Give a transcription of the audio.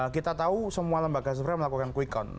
kita tahu semua lembaga survei melakukan quick count